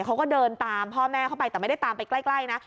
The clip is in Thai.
เขาก็เดินตามพ่อแม่เข้าไปแต่ไม่ได้ตามไปใกล้นะ